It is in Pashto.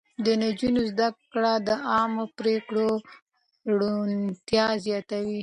د نجونو زده کړه د عامه پرېکړو روڼتيا زياتوي.